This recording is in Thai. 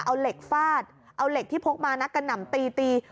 เอาเหล็กฟาดเอาเหล็กที่พกมานะกระหน่ำตีตี